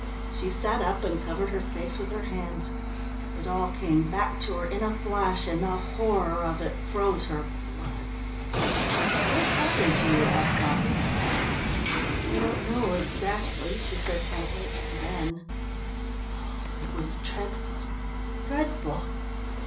She sat up and covered her face with her hands. It all came back to her in a flash, and the horror of it froze her blood. "What has happened to you?" asked Marcus. "I don't know exactly," she said faintly. And then: "Oh, it was dreadful, dreadful!"